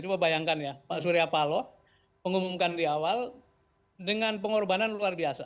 coba bayangkan ya pak surya paloh mengumumkan di awal dengan pengorbanan luar biasa